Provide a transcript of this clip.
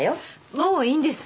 もういいんです。